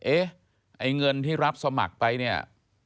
เอ๊ะไอ้เงินที่รับสมัครไปเนี่ย